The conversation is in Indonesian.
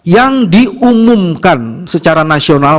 yang diumumkan secara nasional